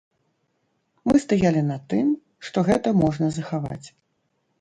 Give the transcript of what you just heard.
Мы стаялі на тым, што гэта можна захаваць.